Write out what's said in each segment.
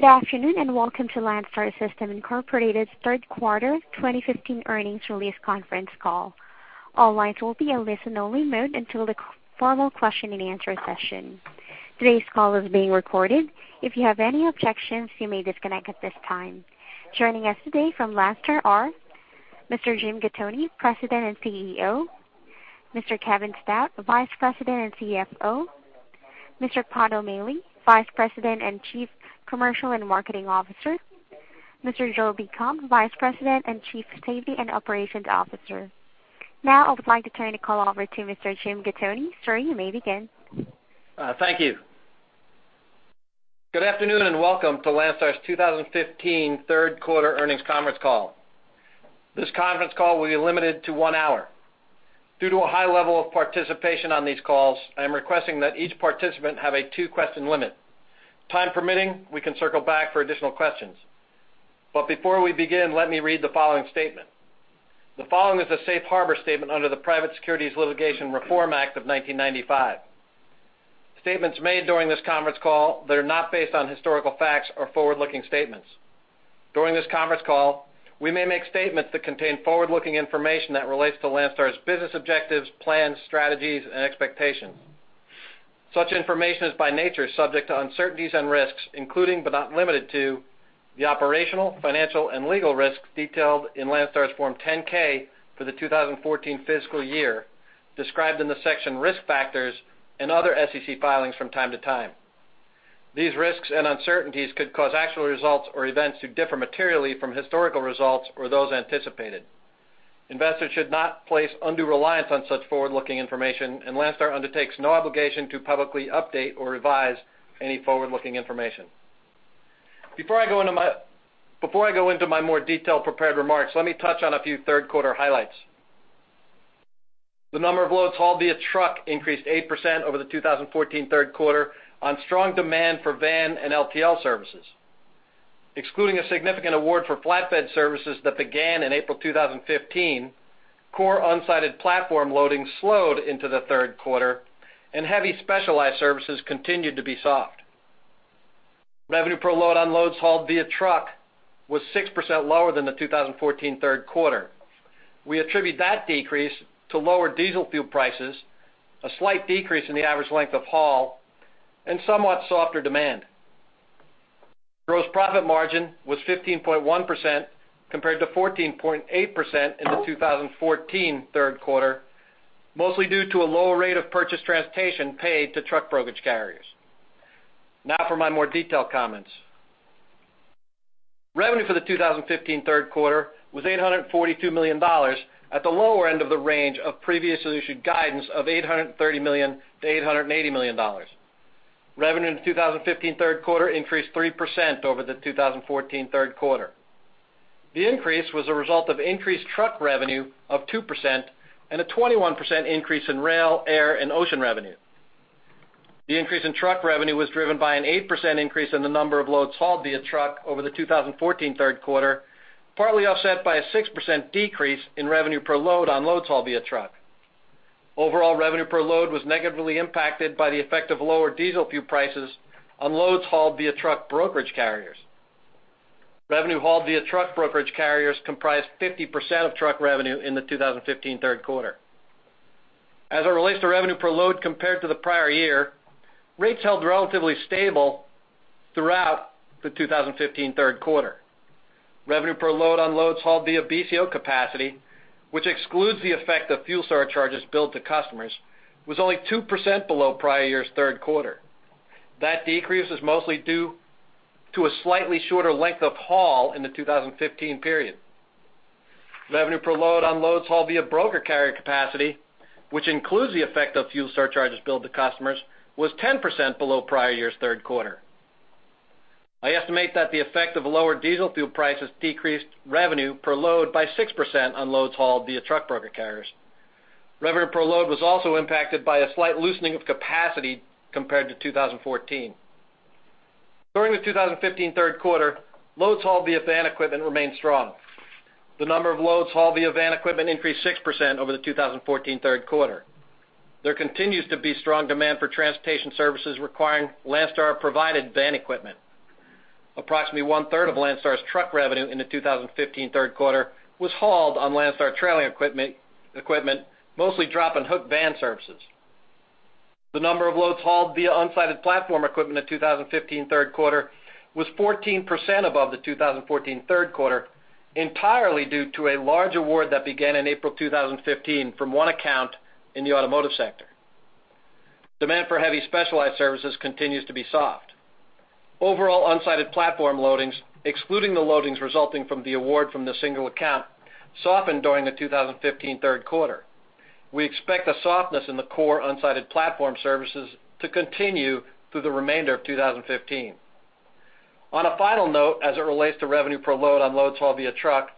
Good afternoon, and welcome to Landstar System Incorporated's third quarter 2015 earnings release conference call. All lines will be in listen-only mode until the formal question-and-answer session. Today's call is being recorded. If you have any objections, you may disconnect at this time. Joining us today from Landstar are Mr. Jim Gattoni, President and CEO, Mr. Kevin Stout, Vice President and CFO, Mr. Patrick O'Malley, Vice President and Chief Commercial and Marketing Officer, Mr. Joe Beacom, Vice President and Chief Safety and Operations Officer. Now, I would like to turn the call over to Mr. Jim Gattoni. Sir, you may begin. Thank you. Good afternoon, and welcome to Landstar's 2015 third quarter earnings conference call. This conference call will be limited to 1 hour. Due to a high level of participation on these calls, I am requesting that each participant have a 2-question limit. Time permitting, we can circle back for additional questions. But before we begin, let me read the following statement. The following is a safe harbor statement under the Private Securities Litigation Reform Act of 1995. Statements made during this conference call that are not based on historical facts are forward-looking statements. During this conference call, we may make statements that contain forward-looking information that relates to Landstar's business objectives, plans, strategies, and expectations. Such information is by nature subject to uncertainties and risks, including, but not limited to, the operational, financial, and legal risks detailed in Landstar's Form 10-K for the 2014 fiscal year, described in the section Risk Factors and other SEC filings from time to time. These risks and uncertainties could cause actual results or events to differ materially from historical results or those anticipated. Investors should not place undue reliance on such forward-looking information, and Landstar undertakes no obligation to publicly update or revise any forward-looking information. Before I go into my more detailed prepared remarks, let me touch on a few third quarter highlights. The number of loads hauled via truck increased 8% over the 2014 third quarter on strong demand for van and LTL services. Excluding a significant award for flatbed services that began in April 2015, core unsided platform loading slowed into the third quarter, and heavy specialized services continued to be soft. Revenue per load on loads hauled via truck was 6% lower than the 2014 third quarter. We attribute that decrease to lower diesel fuel prices, a slight decrease in the average length of haul, and somewhat softer demand. Gross profit margin was 15.1%, compared to 14.8% in the 2014 third quarter, mostly due to a lower rate of purchased transportation paid to truck brokerage carriers. Now for my more detailed comments. Revenue for the 2015 third quarter was $842 million, at the lower end of the range of previously issued guidance of $830 million-$880 million. Revenue in the 2015 third quarter increased 3% over the 2014 third quarter. The increase was a result of increased truck revenue of 2% and a 21% increase in rail, air, and ocean revenue. The increase in truck revenue was driven by an 8% increase in the number of loads hauled via truck over the 2014 third quarter, partly offset by a 6% decrease in revenue per load on loads hauled via truck brokerage carriers. Overall, revenue per load was negatively impacted by the effect of lower diesel fuel prices on loads hauled via truck brokerage carriers. Revenue hauled via truck brokerage carriers comprised 50% of truck revenue in the 2015 third quarter. As it relates to revenue per load compared to the prior year, rates held relatively stable throughout the 2015 third quarter. Revenue per load on loads hauled via BCO capacity, which excludes the effect of fuel surcharges billed to customers, was only 2% below prior year's third quarter. That decrease is mostly due to a slightly shorter length of haul in the 2015 period. Revenue per load on loads hauled via broker carrier capacity, which includes the effect of fuel surcharges billed to customers, was 10% below prior year's third quarter. I estimate that the effect of lower diesel fuel prices decreased revenue per load by 6% on loads hauled via truck broker carriers. Revenue per load was also impacted by a slight loosening of capacity compared to 2014. During the 2015 third quarter, loads hauled via van equipment remained strong. The number of loads hauled via van equipment increased 6% over the 2014 third quarter. There continues to be strong demand for transportation services requiring Landstar-provided van equipment. Approximately 1/3 of Landstar's truck revenue in the 2015 third quarter was hauled on Landstar trailer equipment, mostly drop and hook van services. The number of loads hauled via unsided platform equipment in 2015 third quarter was 14% above the 2014 third quarter, entirely due to a large award that began in April 2015 from one account in the automotive sector. Demand for heavy specialized services continues to be soft. Overall, unsided platform loadings, excluding the loadings resulting from the award from the single account, softened during the 2015 third quarter. We expect the softness in the core unsided platform services to continue through the remainder of 2015. On a final note, as it relates to revenue per load on loads hauled via truck,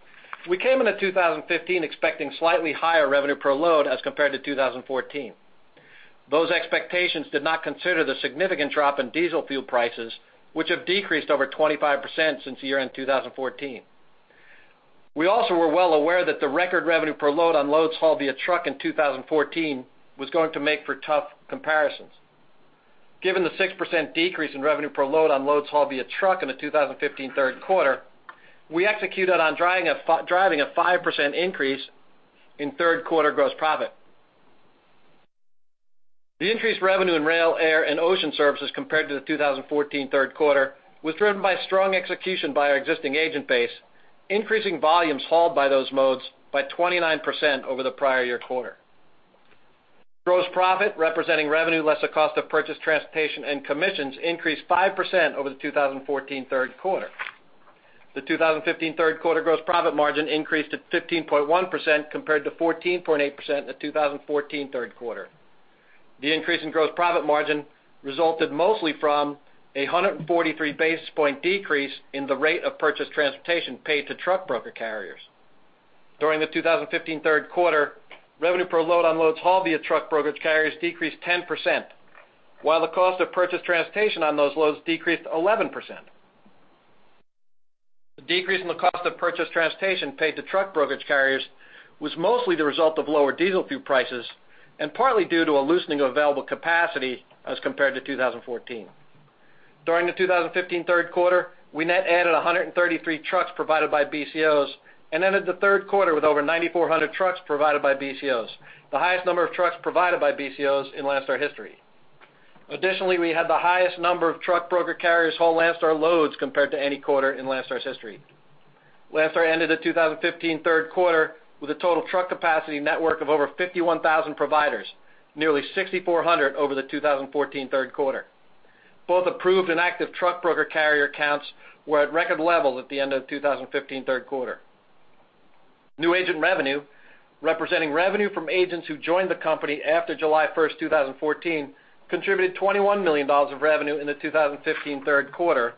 we came into 2015 expecting slightly higher revenue per load as compared to 2014. Those expectations did not consider the significant drop in diesel fuel prices, which have decreased over 25% since year-end 2014. We also were well aware that the record revenue per load on loads hauled via truck in 2014 was going to make for tough comparisons. Given the 6% decrease in revenue per load on loads hauled via truck in the 2015 third quarter, we executed on driving a 5% increase in third quarter gross profit. The increased revenue in rail, air, and ocean services compared to the 2014 third quarter was driven by strong execution by our existing agent base, increasing volumes hauled by those modes by 29% over the prior year quarter. Gross profit, representing revenue less the cost of purchased transportation and commissions, increased 5% over the 2014 third quarter. The 2015 third quarter gross profit margin increased to 15.1%, compared to 14.8% in the 2014 third quarter. The increase in gross profit margin resulted mostly from a 143 basis point decrease in the rate of purchased transportation paid to truck brokerage carriers. During the 2015 third quarter, revenue per load on loads hauled via truck brokerage carriers decreased 10%, while the cost of purchased transportation on those loads decreased 11%. The decrease in the cost of purchased transportation paid to truck brokerage carriers was mostly the result of lower diesel fuel prices and partly due to a loosening of available capacity as compared to 2014. During the 2015 third quarter, we net added 133 trucks provided by BCOs and ended the third quarter with over 9,400 trucks provided by BCOs, the highest number of trucks provided by BCOs in Landstar history. Additionally, we had the highest number of truck broker carriers haul Landstar loads compared to any quarter in Landstar's history. Landstar ended the 2015 third quarter with a total truck capacity network of over 51,000 providers, nearly 6,400 over the 2014 third quarter. Both approved and active truck broker carrier counts were at record levels at the end of the 2015 third quarter. New agent revenue, representing revenue from agents who joined the company after July 1, 2014, contributed $21 million of revenue in the 2015 third quarter,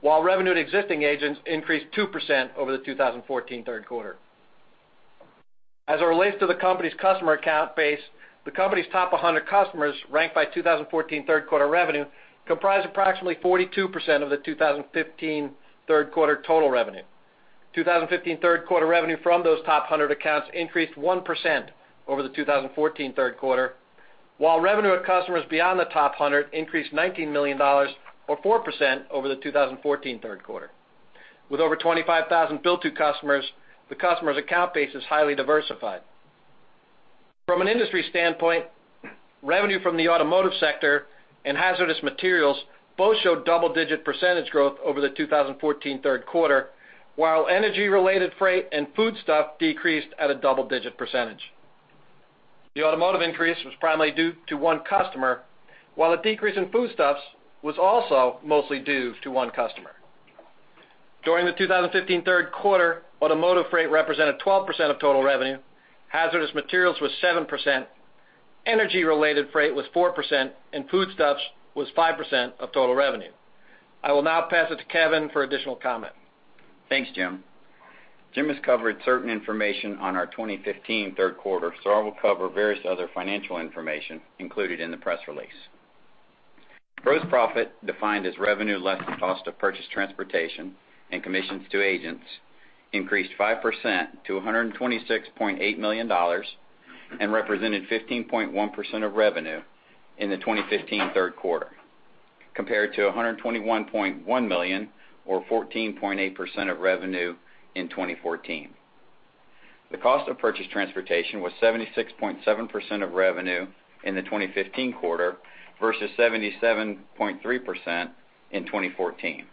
while revenue to existing agents increased 2% over the 2014 third quarter. As it relates to the company's customer account base, the company's top 100 customers, ranked by 2014 third quarter revenue, comprised approximately 42% of the 2015 third quarter total revenue. 2015 third quarter revenue from those top 100 accounts increased 1% over the 2014 third quarter, while revenue of customers beyond the top 100 increased $19 million, or 4%, over the 2014 third quarter. With over 25,000 bill-to customers, the customer account base is highly diversified. From an industry standpoint, revenue from the automotive sector and hazardous materials both showed double-digit % growth over the 2014 third quarter, while energy-related freight and foodstuff decreased at a double-digit %. The automotive increase was primarily due to one customer, while the decrease in foodstuffs was also mostly due to one customer. During the 2015 third quarter, automotive freight represented 12% of total revenue, hazardous materials was 7%, energy-related freight was 4%, and foodstuffs was 5% of total revenue. I will now pass it to Kevin for additional comment. Thanks, Jim. Jim has covered certain information on our 2015 third quarter, so I will cover various other financial information included in the press release. Gross profit, defined as revenue less the cost of purchased transportation and commissions to agents, increased 5% to $126.8 million and represented 15.1% of revenue in the 2015 third quarter, compared to $121.1 million, or 14.8% of revenue, in 2014. The cost of purchased transportation was 76.7% of revenue in the 2015 quarter versus 77.3% in 2014.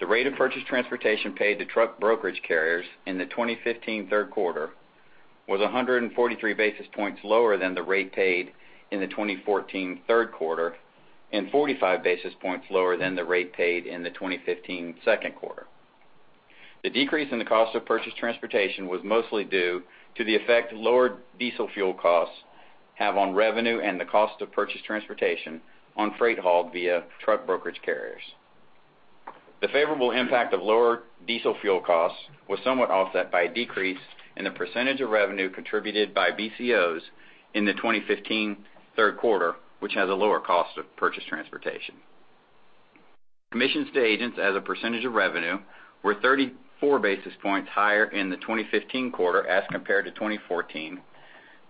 The rate of purchased transportation paid to truck brokerage carriers in the 2015 third quarter was 143 basis points lower than the rate paid in the 2014 third quarter and 45 basis points lower than the rate paid in the 2015 second quarter. The decrease in the cost of purchased transportation was mostly due to the effect lower diesel fuel costs have on revenue and the cost of purchased transportation on freight hauled via truck brokerage carriers. The favorable impact of lower diesel fuel costs was somewhat offset by a decrease in the percentage of revenue contributed by BCOs in the 2015 third quarter, which has a lower cost of purchased transportation. Commissions to agents as a percentage of revenue were 34 basis points higher in the 2015 quarter as compared to 2014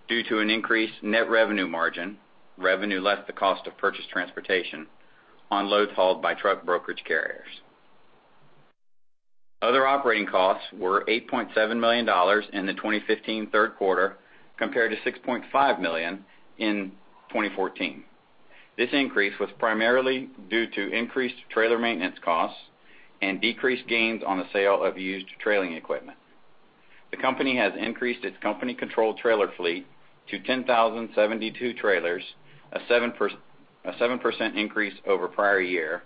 due to an increased net revenue margin, revenue less the cost of purchased transportation, on loads hauled by truck brokerage carriers. Other operating costs were $8.7 million in the 2015 third quarter, compared to $6.5 million in 2014. This increase was primarily due to increased trailer maintenance costs and decreased gains on the sale of used trailer equipment. The company has increased its company-controlled trailer fleet to 10,072 trailers, a 7% increase over prior year,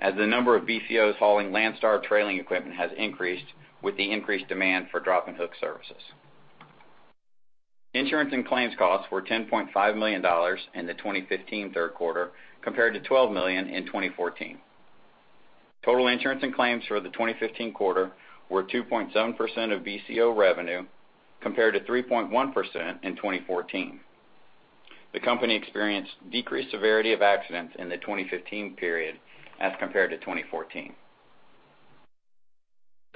as the number of BCOs hauling Landstar trailer equipment has increased with the increased demand for drop and hook services. Insurance and claims costs were $10.5 million in the 2015 third quarter, compared to $12 million in 2014. Total insurance and claims for the 2015 quarter were 2.7% of BCO revenue, compared to 3.1% in 2014. The company experienced decreased severity of accidents in the 2015 period as compared to 2014.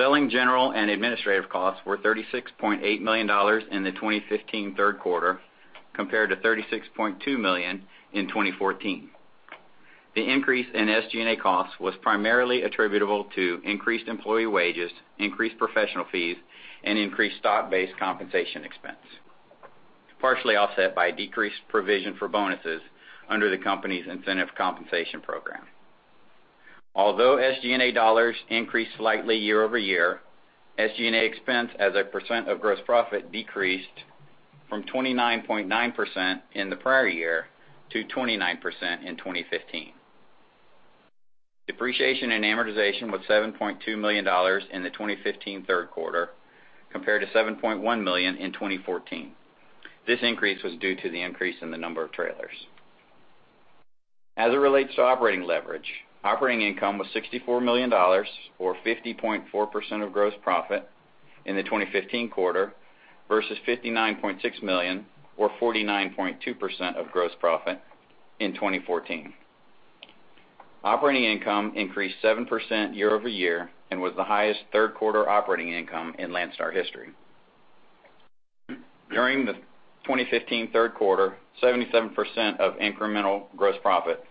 Selling, general, and administrative costs were $36.8 million in the 2015 third quarter, compared to $36.2 million in 2014. The increase in SG&A costs was primarily attributable to increased employee wages, increased professional fees, and increased stock-based compensation expense, partially offset by decreased provision for bonuses under the company's incentive compensation program. Although SG&A dollars increased slightly year-over-year, SG&A expense as a % of gross profit decreased from 29.9% in the prior year to 29% in 2015. Depreciation and amortization was $7.2 million in the 2015 third quarter, compared to $7.1 million in 2014. This increase was due to the increase in the number of trailers. As it relates to operating leverage, operating income was $64 million, or 50.4% of gross profit in the 2015 quarter, versus $59.6 million, or 49.2% of gross profit in 2014. Operating income increased 7% year-over-year and was the highest third quarter operating income in Landstar history. During the 2015 third quarter, 77% of incremental gross profit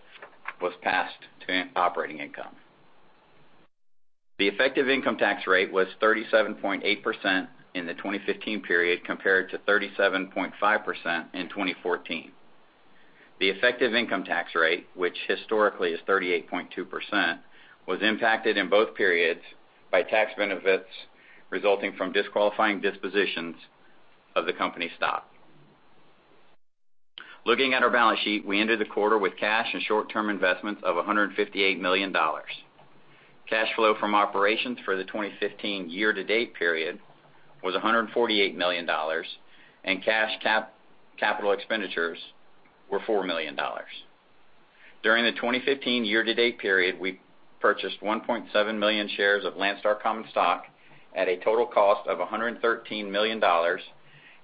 was passed to operating income. The effective income tax rate was 37.8% in the 2015 period, compared to 37.5% in 2014. The effective income tax rate, which historically is 38.2%, was impacted in both periods by tax benefits resulting from disqualifying dispositions of the company's stock. Looking at our balance sheet, we ended the quarter with cash and short-term investments of $158 million. Cash flow from operations for the 2015 year-to-date period was $148 million, and cash capital expenditures were $4 million. During the 2015 year-to-date period, we purchased 1.7 million shares of Landstar common stock at a total cost of $113 million,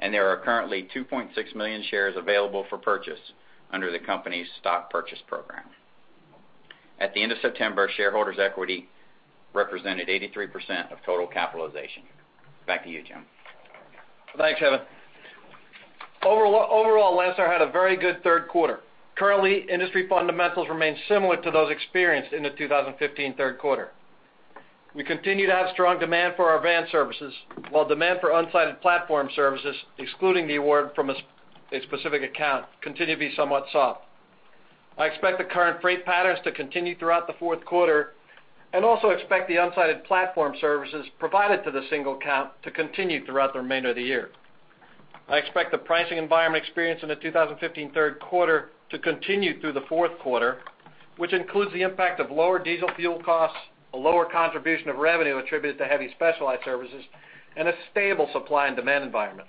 and there are currently 2.6 million shares available for purchase under the company's stock purchase program. At the end of September, shareholders' equity represented 83% of total capitalization. Back to you, Jim. Thanks, Kevin. Overall, Landstar had a very good third quarter. Currently, industry fundamentals remain similar to those experienced in the 2015 third quarter. We continue to have strong demand for our van services, while demand for unsided platform services, excluding the award from a specific account, continue to be somewhat soft. I expect the current freight patterns to continue throughout the fourth quarter and also expect the unsided platform services provided to the single account to continue throughout the remainder of the year. I expect the pricing environment experienced in the 2015 third quarter to continue through the fourth quarter, which includes the impact of lower diesel fuel costs, a lower contribution of revenue attributed to heavy haul services, and a stable supply and demand environment.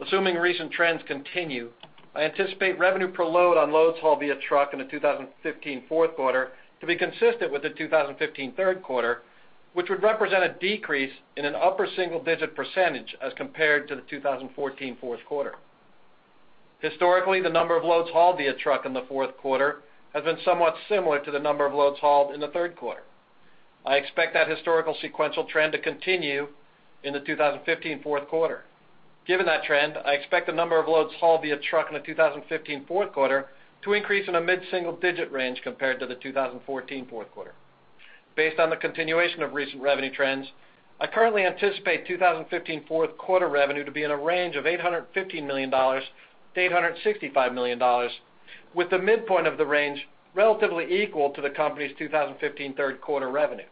Assuming recent trends continue, I anticipate revenue per load on loads hauled via truck in the 2015 fourth quarter to be consistent with the 2015 third quarter, which would represent a decrease in an upper single-digit percentage as compared to the 2014 fourth quarter. Historically, the number of loads hauled via truck in the fourth quarter has been somewhat similar to the number of loads hauled in the third quarter. I expect that historical sequential trend to continue in the 2015 fourth quarter. Given that trend, I expect the number of loads hauled via truck in the 2015 fourth quarter to increase in a mid-single digit range compared to the 2014 fourth quarter. Based on the continuation of recent revenue trends, I currently anticipate 2015 fourth quarter revenue to be in a range of $815 million-$865 million, with the midpoint of the range relatively equal to the company's 2015 third quarter revenue.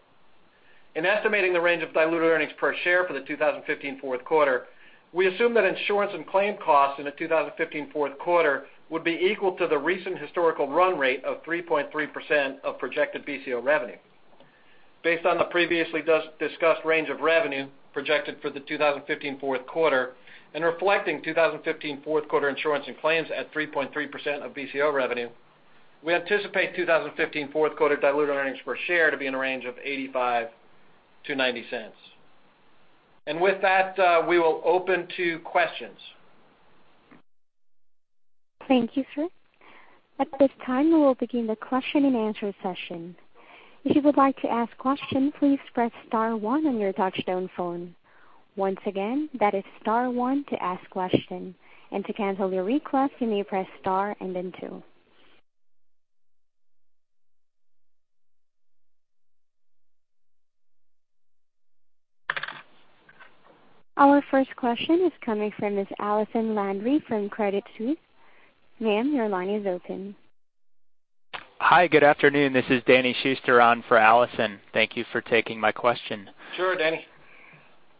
In estimating the range of diluted earnings per share for the 2015 fourth quarter, we assume that insurance and claim costs in the 2015 fourth quarter would be equal to the recent historical run rate of 3.3% of projected BCO revenue. Based on the previously discussed range of revenue projected for the 2015 fourth quarter and reflecting 2015 fourth quarter insurance and claims at 3.3% of BCO revenue, we anticipate 2015 fourth quarter diluted earnings per share to be in a range of $0.85-$0.90. With that, we will open to questions. Thank you, sir. At this time, we will begin the question-and-answer session. If you would like to ask question, please press star one on your touchtone phone. Once again, that is star one to ask question. To cancel your request, you may press star and then two. Our first question is coming from Ms. Allison Landry from Credit Suisse. Ma'am, your line is open. Hi, good afternoon. This is Danny Schuster on for Allison. Thank you for taking my question. Sure, Danny.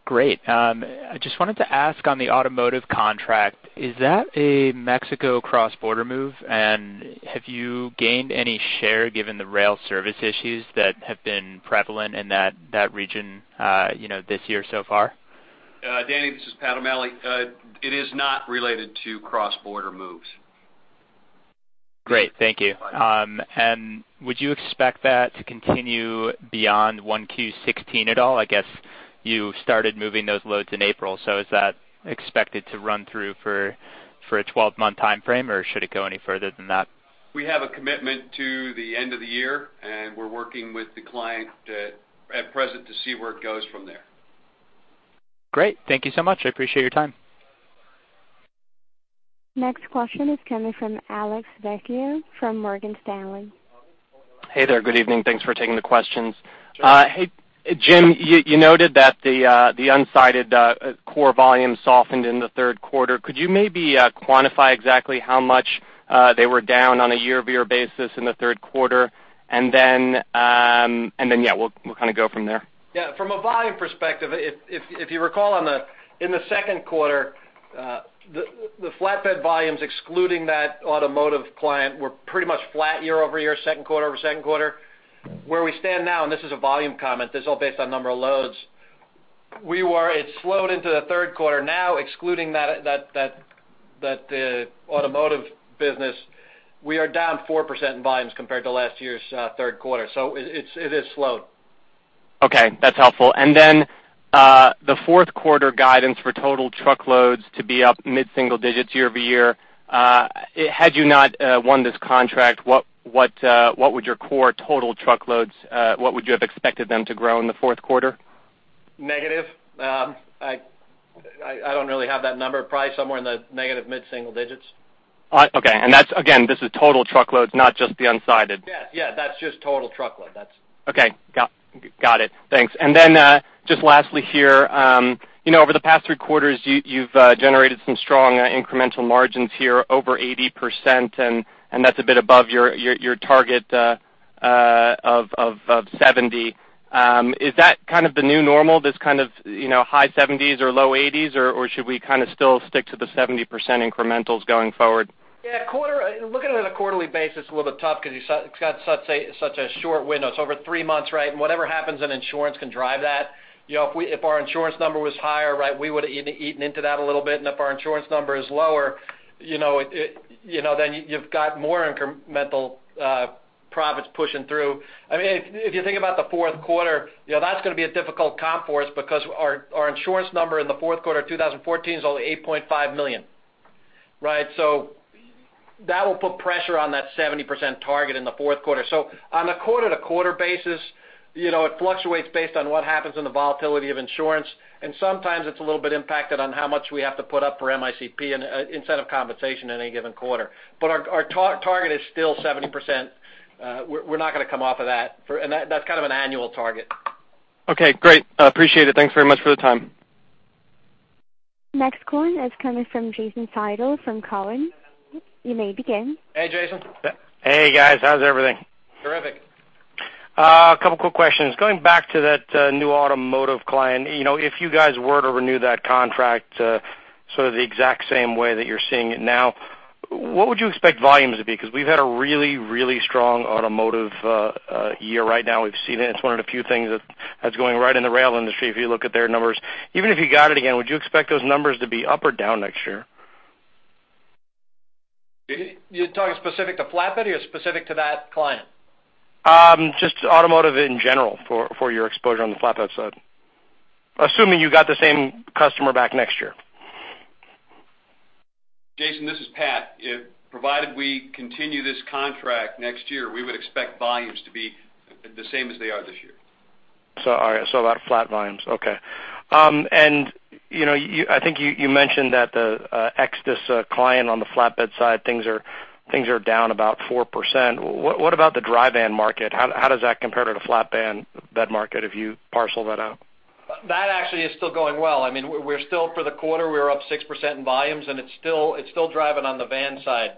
Great. I just wanted to ask on the automotive contract, is that a Mexico cross-border move? And have you gained any share given the rail service issues that have been prevalent in that region, you know, this year so far? Danny, this is Pat O'Malley. It is not related to cross-border moves. Great. Thank you. And would you expect that to continue beyond 1Q16 at all? I guess you started moving those loads in April, so is that expected to run through for a 12-month timeframe, or should it go any further than that? We have a commitment to the end of the year, and we're working with the client to, at present, to see where it goes from there. Great. Thank you so much. I appreciate your time. Next question is coming from Alex Vecchio from Morgan Stanley. Hey there. Good evening. Thanks for taking the questions. Hey, Jim, you noted that the unsided core volume softened in the third quarter. Could you maybe quantify exactly how much they were down on a year-over-year basis in the third quarter? And then, yeah, we'll kind of go from there. Yeah, from a volume perspective, if you recall in the second quarter, the flatbed volumes, excluding that automotive client, were pretty much flat year-over-year, second quarter over second quarter. Where we stand now, and this is a volume comment, this is all based on number of loads. It slowed into the third quarter. Now, excluding that automotive business, we are down 4% in volumes compared to last year's third quarter. So it is slowed. Okay, that's helpful. And then, the fourth quarter guidance for total truckloads to be up mid-single digits year-over-year. Had you not won this contract, what would your core total truckloads, what would you have expected them to grow in the fourth quarter? Negative. I don't really have that number. Probably somewhere in the negative mid-single digits. Okay, and that's, again, this is total truckloads, not just the unsided. Yes. Yeah, that's just total truckload. That's- Okay, got it. Thanks. Then, just lastly here, you know, over the past three quarters, you've generated some strong incremental margins here, over 80%, and that's a bit above your target of 70%. Is that kind of the new normal, this kind of, you know, high 70s or low 80s, or should we kind of still stick to the 70% incrementals going forward? Yeah, quarter, looking at it on a quarterly basis is a little bit tough because you've got such a, such a short window. It's over three months, right? And whatever happens in insurance can drive that. You know, if we, if our insurance number was higher, right, we would have eaten, eaten into that a little bit. And if our insurance number is lower, you know, it, you know, then you've got more incremental profits pushing through. I mean, if, if you think about the fourth quarter, you know, that's going to be a difficult comp for us because our, our insurance number in the fourth quarter of 2014 is only $8.5 million, right? So that will put pressure on that 70% target in the fourth quarter. So on a quarter-to-quarter basis, you know, it fluctuates based on what happens in the volatility of insurance, and sometimes it's a little bit impacted on how much we have to put up for MICP and incentive compensation in any given quarter. But our target is still 70%. We're not going to come off of that. And that's kind of an annual target. Okay, great. I appreciate it. Thanks very much for the time. Next one is coming from Jason Seidel from Cowen. You may begin. Hey, Jason. Hey, guys. How's everything? Terrific. A couple quick questions. Going back to that, new automotive client. You know, if you guys were to renew that contract, sort of the exact same way that you're seeing it now, what would you expect volumes to be? Because we've had a really, really strong automotive year right now. We've seen it. It's one of the few things that, that's going right in the rail industry, if you look at their numbers. Even if you got it again, would you expect those numbers to be up or down next year? You're talking specific to flatbed or specific to that client? Just automotive in general, for your exposure on the flatbed side, assuming you got the same customer back next year. Jason, this is Pat. If provided we continue this contract next year, we would expect volumes to be the same as they are this year. All right, about flat volumes. Okay. And, you know, you, I think you, you mentioned that this client on the flatbed side, things are, things are down about 4%. What, what about the dry van market? How, how does that compare to the flatbed market if you parcel that out? That actually is still going well. I mean, we're still, for the quarter, we're up 6% in volumes, and it's still driving on the van side.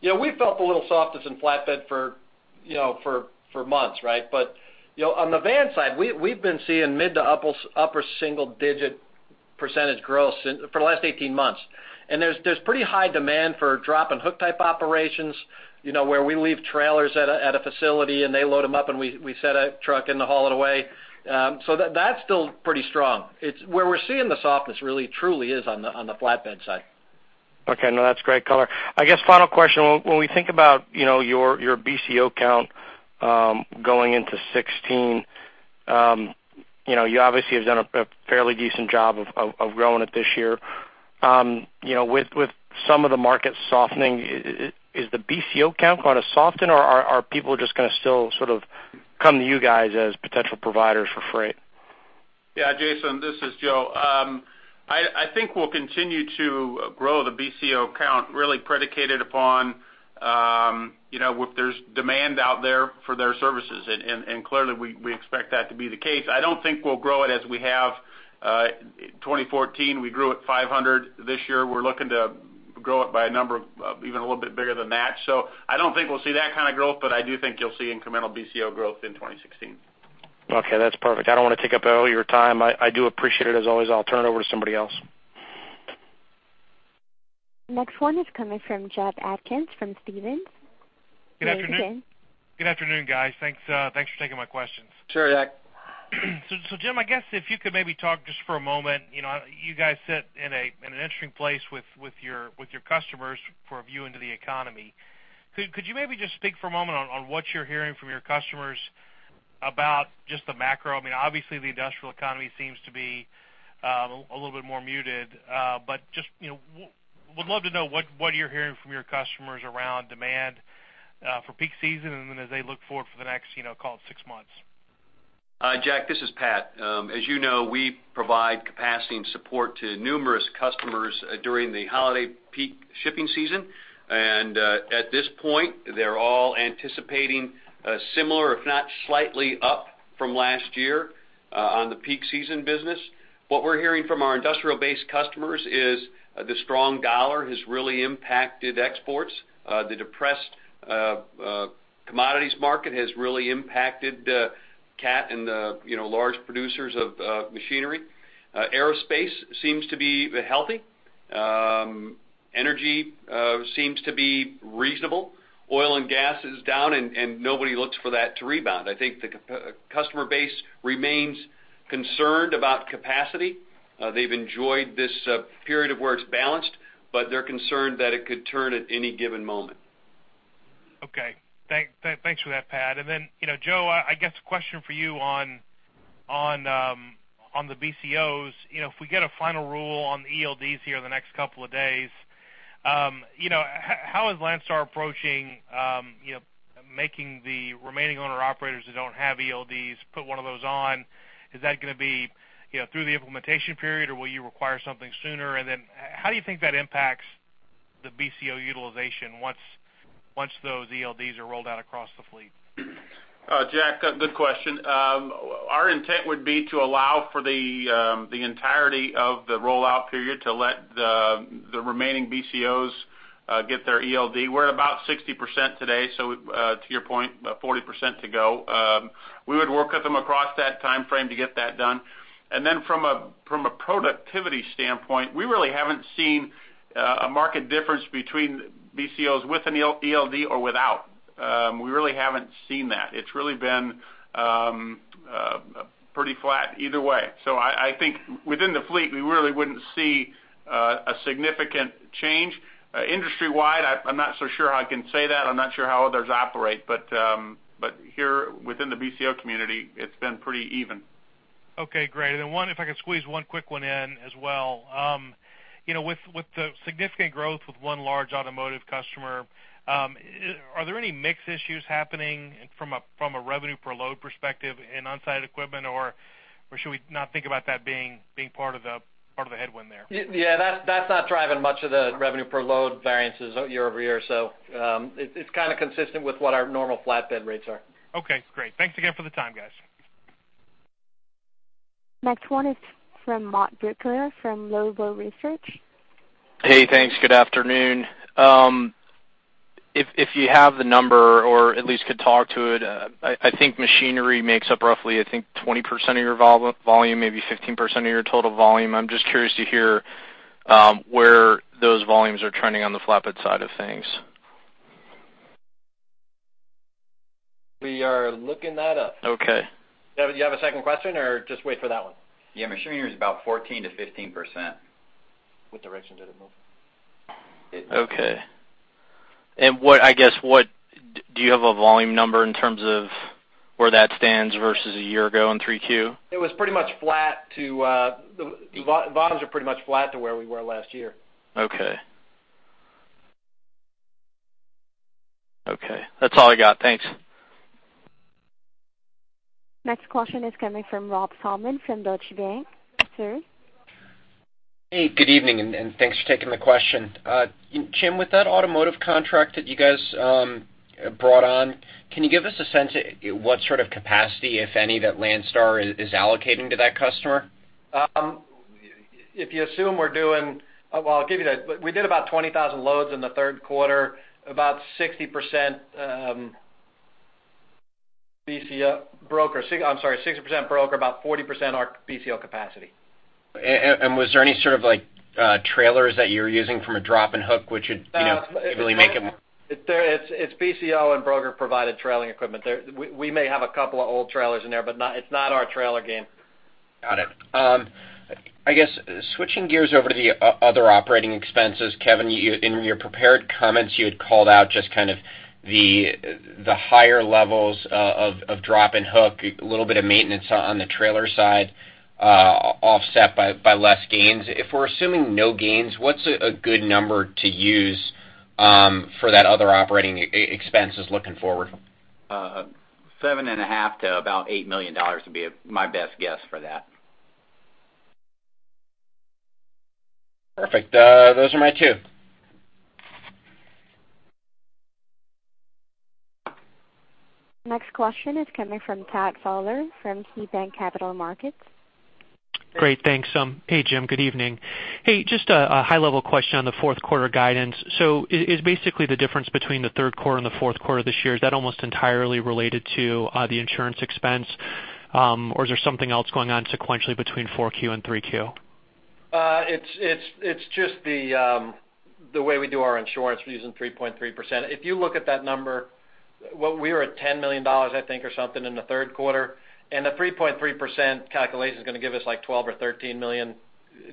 You know, we felt a little softness in flatbed for, you know, for months, right? But, you know, on the van side, we, we've been seeing mid- to upper-single-digit % growth for the last 18 months. And there's pretty high demand for drop and hook type operations, you know, where we leave trailers at a facility, and they load them up, and we set a truck in to haul it away. So that, that's still pretty strong. It's where we're seeing the softness really, truly is on the flatbed side. Okay. No, that's great color. I guess final question, when we think about, you know, your BCO count, going into 2016, you know, you obviously have done a fairly decent job of growing it this year. You know, with some of the market softening, is the BCO count going to soften, or are people just going to still sort of come to you guys as potential providers for freight? Yeah, Jason, this is Joe. I think we'll continue to grow the BCO count, really predicated upon you know, if there's demand out there for their services, and clearly we expect that to be the case. I don't think we'll grow it as we have 2014, we grew at 500. This year, we're looking to grow it by a number of, even a little bit bigger than that. So I don't think we'll see that kind of growth, but I do think you'll see incremental BCO growth in 2016. Okay, that's perfect. I don't want to take up all your time. I, I do appreciate it, as always. I'll turn it over to somebody else. Next one is coming from Jack Atkins from Stephens. Good afternoon. Good afternoon, guys. Thanks, thanks for taking my questions. Sure, Jack. So, Jim, I guess if you could maybe talk just for a moment, you know, you guys sit in an interesting place with your customers for a view into the economy. Could you maybe just speak for a moment on what you're hearing from your customers about just the macro? I mean, obviously, the industrial economy seems to be a little bit more muted, but just, you know, would love to know what you're hearing from your customers around demand for peak season, and then as they look forward for the next, you know, call it, six months. Hi, Jack, this is Pat. As you know, we provide capacity and support to numerous customers during the holiday peak shipping season. At this point, they're all anticipating a similar, if not slightly up from last year, on the peak season business. What we're hearing from our industrial-based customers is the strong dollar has really impacted exports. The depressed commodities market has really impacted Cat and the, you know, large producers of machinery. Aerospace seems to be healthy. Energy seems to be reasonable. Oil and gas is down, and nobody looks for that to rebound. I think the customer base remains concerned about capacity. They've enjoyed this period of where it's balanced, but they're concerned that it could turn at any given moment. Okay. Thanks for that, Pat. And then, you know, Joe, I guess the question for you on the BCOs. You know, if we get a final rule on the ELDs here in the next couple of days, how is Landstar approaching making the remaining owner-operators who don't have ELDs put one of those on? Is that going to be through the implementation period, or will you require something sooner? And then how do you think that impacts the BCO utilization once those ELDs are rolled out across the fleet? Jack, good question. Our intent would be to allow for the entirety of the rollout period to let the remaining BCOs get their ELD. We're about 60% today, so to your point, about 40% to go. We would work with them across that time frame to get that done. And then from a productivity standpoint, we really haven't seen a marked difference between BCOs with an ELD or without. We really haven't seen that. It's really been pretty flat either way. So I think within the fleet, we really wouldn't see a significant change. Industry-wide, I'm not so sure how I can say that. I'm not sure how others operate, but here within the BCO community, it's been pretty even. Okay, great. And then one, if I could squeeze one quick one in as well. You know, with, with the significant growth with one large automotive customer, are there any mix issues happening from a, from a revenue per load perspective in on-site equipment, or should we not think about that being, being part of the, part of the headwind there? Yeah, that's not driving much of the revenue per load variances year over year. So, it's kind of consistent with what our normal flatbed rates are. Okay, great. Thanks again for the time, guys. Next one is from Matt Brooker from Longbow Research. Hey, thanks. Good afternoon. If you have the number or at least could talk to it, I think machinery makes up roughly, I think, 20% of your volume, maybe 15% of your total volume. I'm just curious to hear where those volumes are trending on the flatbed side of things. We are looking that up. Okay. Do you have a second question, or just wait for that one? Yeah, machinery is about 14%-15%. What direction did it move? Okay. And what, I guess, Do you have a volume number in terms of where that stands versus a year ago in 3Q? It was pretty much flat, too. The volumes are pretty much flat to where we were last year. Okay. Okay, that's all I got. Thanks. Next question is coming from Rob Salmon from Deutsche Bank. Sir? Hey, good evening, and thanks for taking the question. Jim, with that automotive contract that you guys brought on, can you give us a sense of what sort of capacity, if any, that Landstar is allocating to that customer? If you assume we're doing, well, I'll give you that. We did about 20,000 loads in the third quarter, about 60%, BCO broker. I'm sorry, 60% broker, about 40% are BCO capacity. Was there any sort of, like, trailers that you're using from a drop and hook, which would, you know, really make it more- It's BCO and broker-provided trailer equipment there. We may have a couple of old trailers in there, but it's not our trailer game. Got it. I guess, switching gears over to the other operating expenses, Kevin, you, in your prepared comments, you had called out just kind of the higher levels of drop and hook, a little bit of maintenance on the trailer side, offset by less gains. If we're assuming no gains, what's a good number to use for that other operating expenses looking forward? $7.5 million to about $8 million would be my best guess for that. Perfect. Those are my two. Next question is coming from Todd Fowler from KeyBanc Capital Markets. Great, thanks. Hey, Jim, good evening. Hey, just a high-level question on the fourth quarter guidance. So is basically the difference between the third quarter and the fourth quarter this year almost entirely related to the insurance expense? Or is there something else going on sequentially between four Q and three Q? It's just the way we do our insurance, we're using 3.3%. If you look at that number, what we were at $10 million, I think, or something in the third quarter, and the 3.3% calculation is gonna give us, like, $12 million or $13 million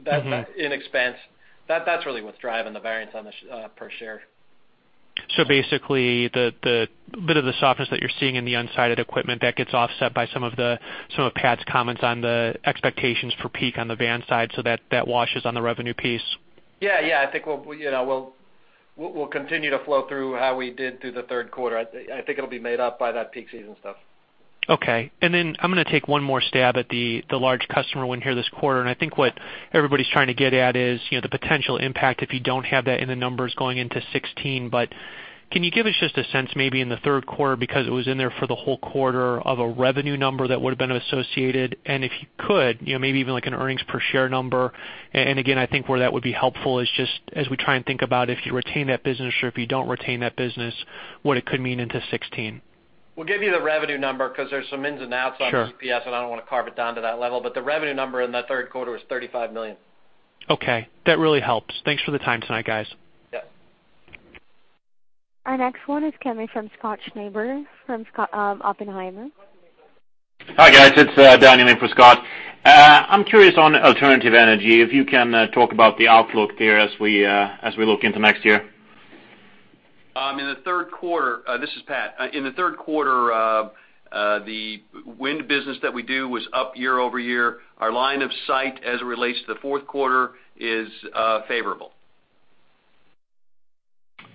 that in expense. That, that's really what's driving the variance on the per share. So basically, the bit of the softness that you're seeing in the unsided equipment, that gets offset by some of Todd's comments on the expectations for peak on the van side, so that washes on the revenue piece? Yeah, yeah. I think we'll, you know, continue to flow through how we did through the third quarter. I think it'll be made up by that peak season stuff. Okay. And then I'm gonna take one more stab at the large customer win here this quarter, and I think what everybody's trying to get at is, you know, the potential impact if you don't have that in the numbers going into 2016. But can you give us just a sense, maybe in the third quarter, because it was in there for the whole quarter, of a revenue number that would have been associated? And if you could, you know, maybe even like an earnings per share number. And again, I think where that would be helpful is just as we try and think about if you retain that business or if you don't retain that business, what it could mean into 2016. We'll give you the revenue number because there's some ins and outs- Sure On EPS, and I don't want to carve it down to that level. But the revenue number in the third quarter was $35 million. Okay, that really helps. Thanks for the time tonight, guys. Yep. Our next one is coming from Scott Schneeberger from Oppenheimer. Hi, guys. It's Daniel in for Scott. I'm curious on alternative energy, if you can talk about the outlook there as we look into next year. In the third quarter, this is Pat. In the third quarter, the wind business that we do was up year-over-year. Our line of sight as it relates to the fourth quarter is favorable.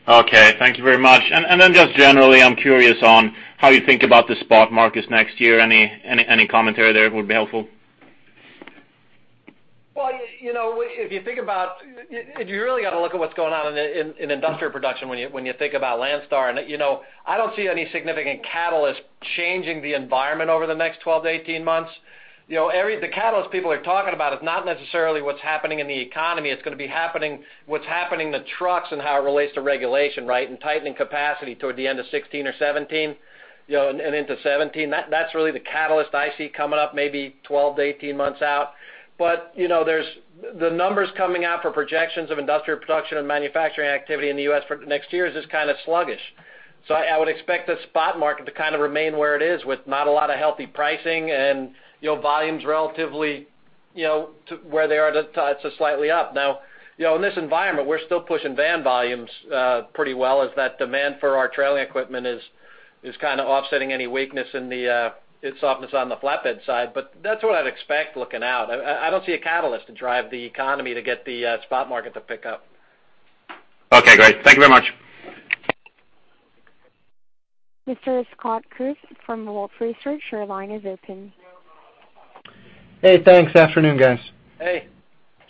Okay, thank you very much. And then just generally, I'm curious on how you think about the spot markets next year. Any commentary there would be helpful. Well, you know, if you think about, you really got to look at what's going on in, in, in industrial production when you, when you think about Landstar. And, you know, I don't see any significant catalyst changing the environment over the next 12 to 18 months. You know, the catalyst people are talking about is not necessarily what's happening in the economy. It's gonna be happening, what's happening in the trucks and how it relates to regulation, right, and tightening capacity toward the end of 2016 or 2017, you know, and, and into 2017. That's really the catalyst I see coming up, maybe 12 to 18 months out. But, you know, there's the numbers coming out for projections of industrial production and manufacturing activity in the U.S. for next year is just kind of sluggish. So I would expect the spot market to kind of remain where it is with not a lot of healthy pricing and, you know, volumes relatively, you know, to where they are, just slightly up. Now, you know, in this environment, we're still pushing van volumes pretty well as that demand for our trailer equipment is kind of offsetting any weakness and softness on the flatbed side. But that's what I'd expect looking out. I don't see a catalyst to drive the economy to get the spot market to pick up. Okay, great. Thank you very much. Mr. Scott Group from Wolfe Research, your line is open. Hey, thanks. Afternoon, guys. Hey.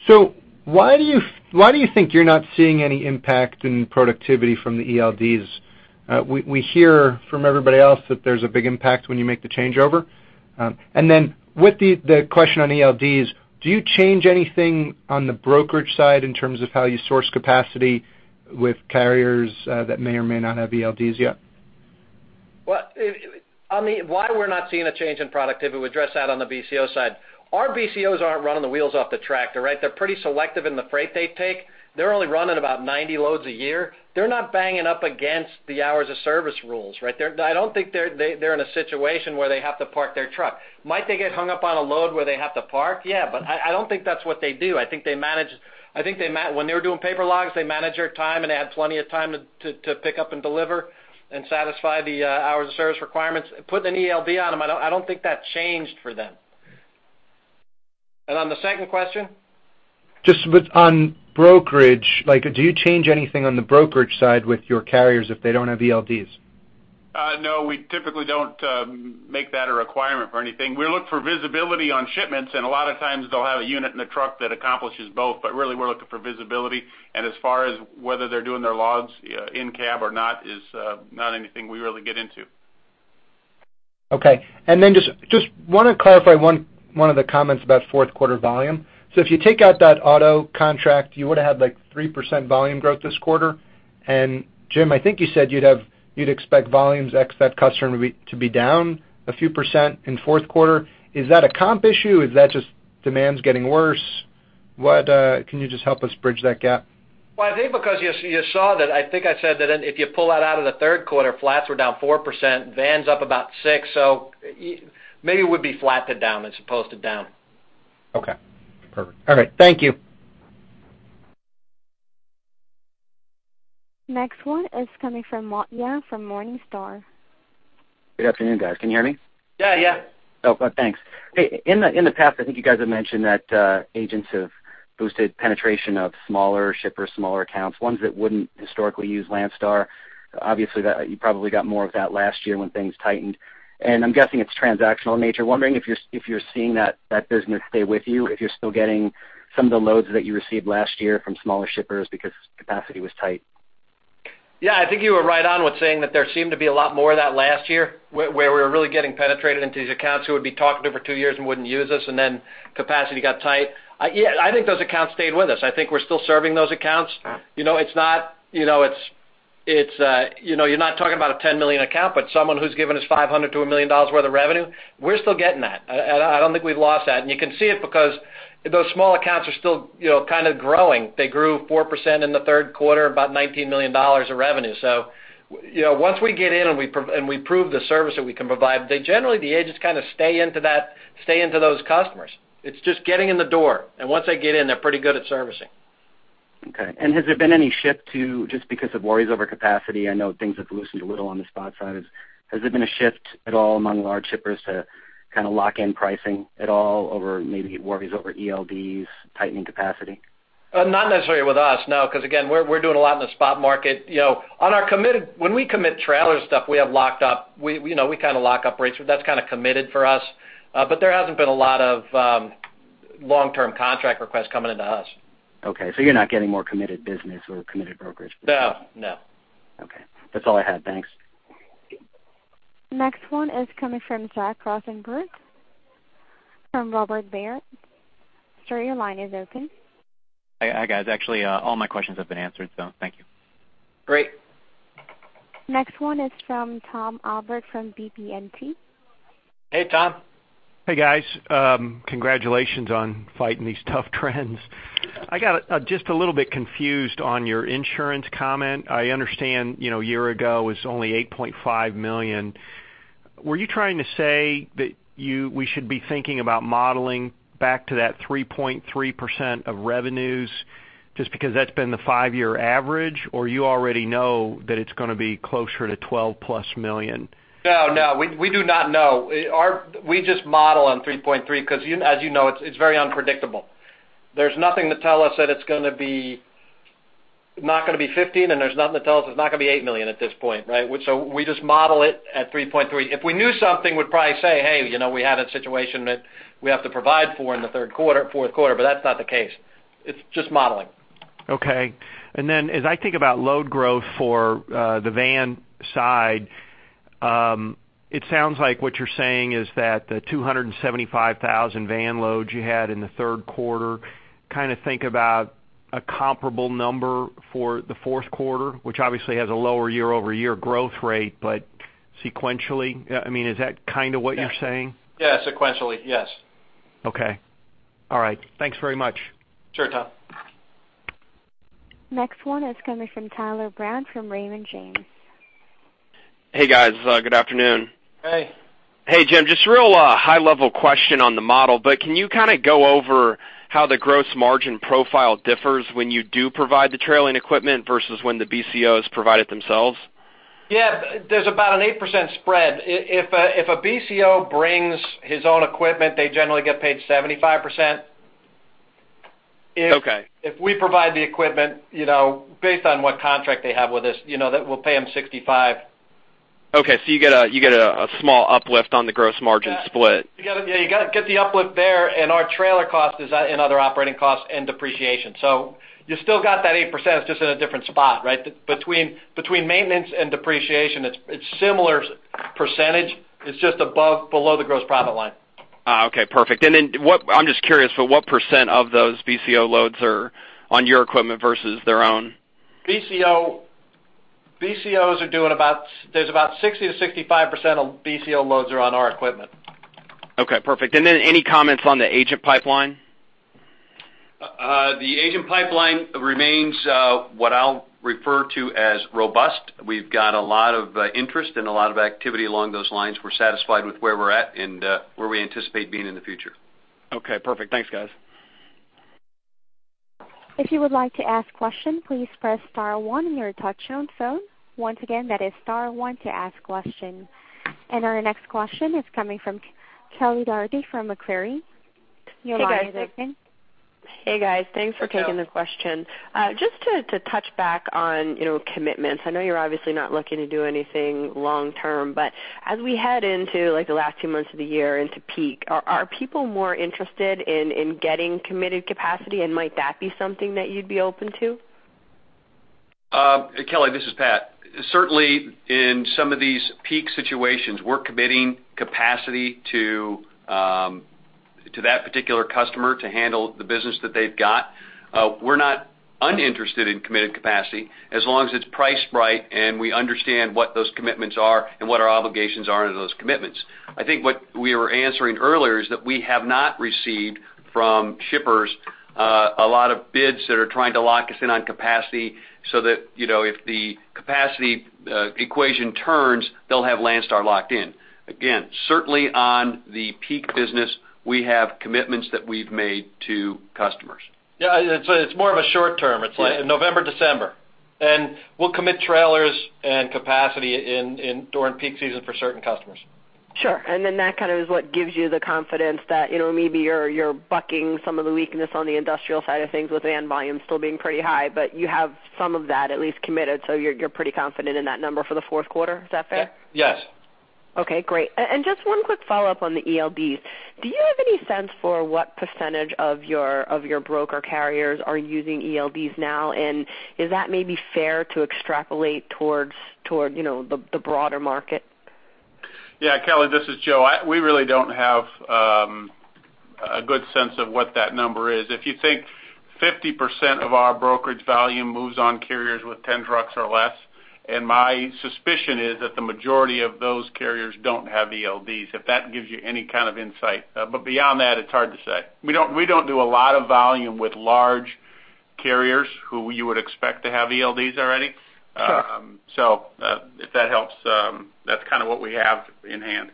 So why do you think you're not seeing any impact in productivity from the ELDs? We hear from everybody else that there's a big impact when you make the changeover. And then with the question on ELDs, do you change anything on the brokerage side in terms of how you source capacity with carriers that may or may not have ELDs yet? Well, on the why we're not seeing a change in productivity, we address that on the BCO side. Our BCOs aren't running the wheels off the tractor, right? They're pretty selective in the freight they take. They're only running about 90 loads a year. They're not banging up against the hours of service rules, right? I don't think they're in a situation where they have to park their truck. Might they get hung up on a load where they have to park? Yeah, but I don't think that's what they do. I think they manage their time. When they were doing paper logs, they managed their time and had plenty of time to pick up and deliver and satisfy the hours of service requirements. Putting an ELD on them, I don't think that changed for them. On the second question? Just with on brokerage, like, do you change anything on the brokerage side with your carriers if they don't have ELDs? No, we typically don't make that a requirement for anything. We look for visibility on shipments, and a lot of times they'll have a unit in the truck that accomplishes both. But really, we're looking for visibility, and as far as whether they're doing their logs in-cab or not is not anything we really get into. Okay. And then just want to clarify one of the comments about fourth quarter volume. So if you take out that auto contract, you would have had, like, 3% volume growth this quarter. And Jim, I think you said you'd have—you'd expect volumes ex that customer to be down a few percent in fourth quarter. Is that a comp issue? Is that just demand's getting worse? What can you just help us bridge that gap? Well, I think because you saw that I think I said that if you pull that out of the third quarter, flats were down 4%, vans up about 6%. So maybe it would be flat to down as opposed to down. Okay, perfect. All right. Thank you. Next one is coming from Matthew Young from Morningstar. Good afternoon, guys. Can you hear me? Yeah, yeah. Oh, good, thanks. Hey, in the past, I think you guys have mentioned that agents have boosted penetration of smaller shippers, smaller accounts, ones that wouldn't historically use Landstar. Obviously, you probably got more of that last year when things tightened, and I'm guessing it's transactional in nature. Wondering if you're seeing that business stay with you, if you're still getting some of the loads that you received last year from smaller shippers because capacity was tight. Yeah, I think you were right on with saying that there seemed to be a lot more of that last year, where we were really getting penetrated into these accounts who would be talking to for two years and wouldn't use us, and then capacity got tight. Yeah, I think those accounts stayed with us. I think we're still serving those accounts. You know, it's not, you know, it's, you know, you're not talking about a 10 million account, but someone who's given us $500-$1 million worth of revenue, we're still getting that. I don't think we've lost that. And you can see it because those small accounts are still, you know, kind of growing. They grew 4% in the third quarter, about $19 million of revenue. So, you know, once we get in and we prove the service that we can provide, they generally, the agents kind of stay into that, stay into those customers. It's just getting in the door, and once they get in, they're pretty good at servicing. Okay. Has there been any shift to, just because of worries over capacity? I know things have loosened a little on the spot side. Has there been a shift at all among large shippers to kind of lock in pricing at all over maybe worries over ELDs tightening capacity? Not necessarily with us, no, 'cause again, we're doing a lot in the spot market. You know, on our committed, when we commit trailer stuff, we have locked up, you know, we kind of lock up rates, that's kind of committed for us. But there hasn't been a lot of long-term contract requests coming into us. Okay, so you're not getting more committed business or committed brokerage? No. Okay. That's all I had. Thanks. Next one is coming from Zach Rosenberg, from Robert Baird. Sir, your line is open. Hi, guys. Actually, all my questions have been answered, so thank you. Great. Next one is from Tom Albrecht, from BB&T. Hey, Tom. Hey, guys. Congratulations on fighting these tough trends. I got, just a little bit confused on your insurance comment. I understand, you know, a year ago, it was only $8.5 million. Were you trying to say that you- we should be thinking about modeling back to that 3.3% of revenues, just because that's been the five-year average, or you already know that it's going to be closer to $12+ million? No, we do not know. Our - we just model on $3.3 million, 'cause you, as you know, it's, it's very unpredictable. There's nothing to tell us that it's gonna be... not gonna be $15 million, and there's nothing to tell us it's not gonna be $8 million at this point, right? So we just model it at $3.3 million. If we knew something, we'd probably say, "Hey, you know, we have a situation that we have to provide for in the third quarter, fourth quarter," but that's not the case. It's just modeling. Okay. And then, as I think about load growth for the van side, it sounds like what you're saying is that the 275,000 van loads you had in the third quarter, kind of think about a comparable number for the fourth quarter, which obviously has a lower year-over-year growth rate, but sequentially, I mean, is that kind of what you're saying? Yes, sequentially. Yes. Okay. All right. Thanks very much. Sure, Tom. Next one is coming from Tyler Brown, from Raymond James. Hey, guys. Good afternoon. Hey. Hey, Jim, just a real high-level question on the model, but can you kind of go over how the gross margin profile differs when you do provide the trailer equipment versus when the BCOs provide it themselves? Yeah. There's about an 8% spread. If a BCO brings his own equipment, they generally get paid 75%. If we provide the equipment, you know, based on what contract they have with us, you know, then we'll pay them 65. Okay, so you get a small uplift on the gross margin split. You got to, yeah, you got to get the uplift there, and our trailer cost is that in other operating costs and depreciation. So you still got that 8%, it's just in a different spot, right? Between maintenance and depreciation, it's similar percentage. It's just above, below the gross profit line. Ah, okay, perfect. And then, what, I'm just curious, but what percent of those BCO loads are on your equipment versus their own? BCOs are doing about, there's about 60%-65% of BCO loads are on our equipment. Okay, perfect. And then, any comments on the agent pipeline? The agent pipeline remains what I'll refer to as robust. We've got a lot of interest and a lot of activity along those lines. We're satisfied with where we're at and where we anticipate being in the future. Okay, perfect. Thanks, guys. If you would like to ask question, please press star one on your touchtone phone. Once again, that is star one to ask question. Our next question is coming from Kelly Dougherty, from Macquarie. Your line is open. Hey, guys. Thanks for taking the question. Just to touch back on, you know, commitments. I know you're obviously not looking to do anything long term, but as we head into, like, the last two months of the year into peak, are people more interested in getting committed capacity? And might that be something that you'd be open to? Kelly, this is Pat. Certainly, in some of these peak situations, we're committing capacity to to that particular customer to handle the business that they've got. We're not uninterested in committed capacity, as long as it's priced right and we understand what those commitments are and what our obligations are under those commitments. I think what we were answering earlier is that we have not received from shippers a lot of bids that are trying to lock us in on capacity so that, you know, if the capacity equation turns, they'll have Landstar locked in. Again, certainly on the peak business, we have commitments that we've made to customers. Yeah, it's more of a short term. It's November, December, and we'll commit trailers and capacity during peak season for certain customers. Sure. And then that kind of is what gives you the confidence that, you know, maybe you're, you're bucking some of the weakness on the industrial side of things, with van volume still being pretty high, but you have some of that at least committed, so you're, you're pretty confident in that number for the fourth quarter. Is that fair? Yes. Okay, great. And just one quick follow-up on the ELDs. Do you have any sense for what percentage of your broker carriers are using ELDs now? And is that maybe fair to extrapolate toward, you know, the broader market? Yeah, Kelly, this is Joe. We really don't have a good sense of what that number is. If you think 50% of our brokerage volume moves on carriers with 10 trucks or less, and my suspicion is that the majority of those carriers don't have ELDs, if that gives you any kind of insight. But beyond that, it's hard to say. We don't do a lot of volume with large carriers who you would expect to have ELDs already. So, if that helps, that's kind of what we have in hand.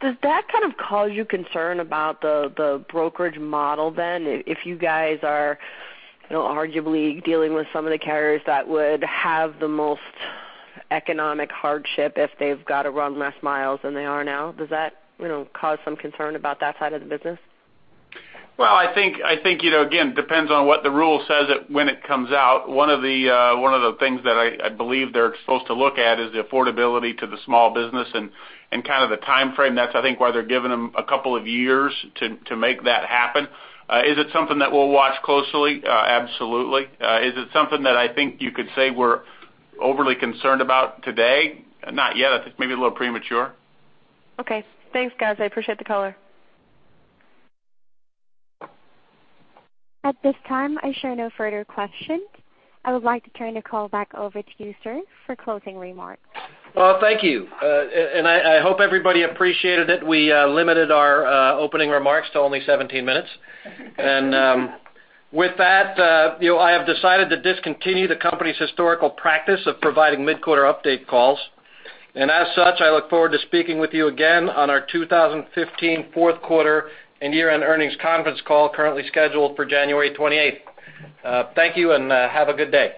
Does that kind of cause you concern about the brokerage model then? If you guys are, you know, arguably dealing with some of the carriers that would have the most economic hardship if they've got to run less miles than they are now, does that, you know, cause some concern about that side of the business? Well, I think, you know, again, depends on what the rule says it when it comes out. One of the things that I believe they're supposed to look at is the affordability to the small business and kind of the timeframe. That's, I think, why they're giving them a couple of years to make that happen. Is it something that we'll watch closely? Absolutely. Is it something that I think you could say we're overly concerned about today? Not yet. I think maybe a little premature. Okay. Thanks, guys. I appreciate the color. At this time, I show no further questions. I would like to turn the call back over to you, sir, for closing remarks. Well, thank you. And I hope everybody appreciated it. We limited our opening remarks to only 17 minutes. And with that, you know, I have decided to discontinue the company's historical practice of providing mid-quarter update calls. And as such, I look forward to speaking with you again on our 2015 fourth quarter and year-end earnings conference call, currently scheduled for January twenty-eighth. Thank you, and have a good day.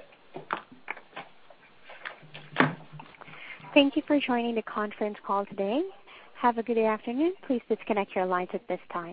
Thank you for joining the conference call today. Have a good afternoon. Please disconnect your lines at this time.